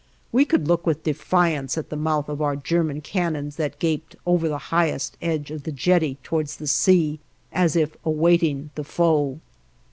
We could look with defiance at the mouth of our German cannons that gaped over the highest edge of the jetty towards the sea, as if awaiting the foe.